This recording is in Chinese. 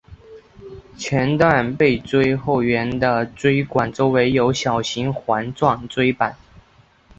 前段背椎后缘的椎管周围有小型环状椎版。